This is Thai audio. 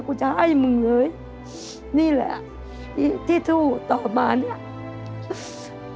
กูจะให้มึงเลยนี่แหละที่สู้ต่อมาเนี่ย